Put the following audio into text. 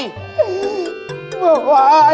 เมืองหวานนะ